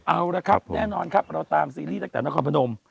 เอาละครับแน่นอนครับเราตามซีรีส์ตั้งแต่นครพนม